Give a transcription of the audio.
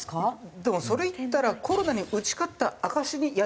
でもそれ言ったらコロナに打ち勝った証しにやるって。